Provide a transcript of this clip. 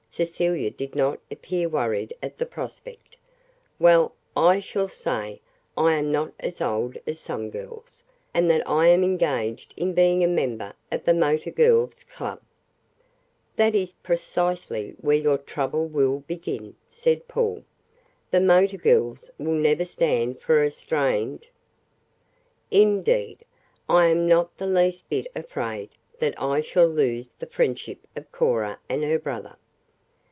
Cecilia did not appear worried at the prospect. "Well, I shall say I am not as old as some girls, and that I am engaged in being a member of the Motor Girls' Club." "That is precisely where your trouble will begin," said Paul. "The motor girls will never stand for a 'strained' " "Indeed, I am not the least bit afraid that I shall lose the friendship of Cora and her brother.